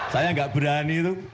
saya gak berani itu